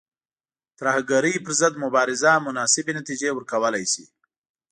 ترهګرۍ پر ضد مبارزه مناسبې نتیجې ورکولای شي.